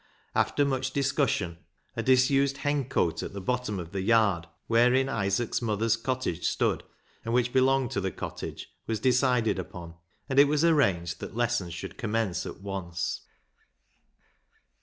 After much discussion, a disused hencote at the bottom of the yard wherein Isaac's mother's cottage stood, and which belonged to the cottage, was decided upon, and it was arranged that lessons should commence at once.